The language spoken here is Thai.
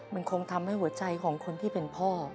มันคงทำให้หัวใจของคนที่เป็นพ่อ